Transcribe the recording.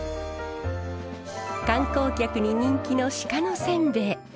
観光客に人気の鹿のせんべい。